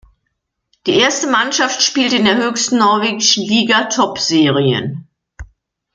Die erste Mannschaft spielt in der höchsten norwegischen Liga Toppserien.